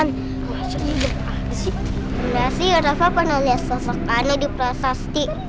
nah sih rafa pernah lihat sosok aneh di prasasti